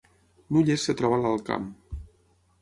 Nulles es troba a l’Alt Camp